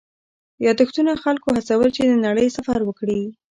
یادښتونه خلکو هڅول چې د نړۍ سفر وکړي.